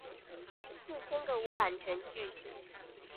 四千個無版權句子